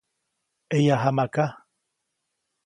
ʼEyajamaʼka.